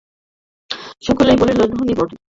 সকলেই বলিল, ধন্যি বটে!